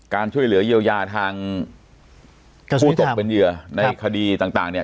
ช่วยเหลือเยียวยาทางผู้ตกเป็นเหยื่อในคดีต่างเนี่ย